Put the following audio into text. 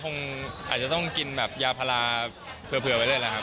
คงอาจจะต้องกินแบบยาพลาเผื่อไว้ด้วยนะครับ